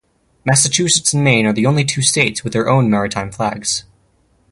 Massachusetts and Maine are the only two states with their own maritime flags.